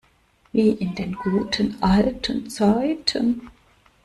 Wie in den guten, alten Zeiten!